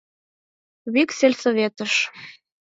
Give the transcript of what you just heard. Вик сельсоветыш!